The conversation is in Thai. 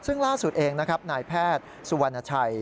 ซึ่งล่าสุดเองนะครับนายแพทย์สุวรรณชัย